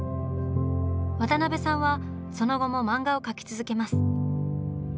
渡辺さんはその後も漫画を描き続けます。